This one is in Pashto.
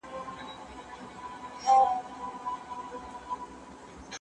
ټولنیز حقایق باید په سمه توګه بیان سي.